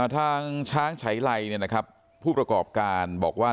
ทางช้างฉายไลผู้ประกอบการบอกว่า